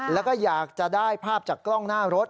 แล้วก็อยากจะได้ภาพจากกล้องหน้ารถ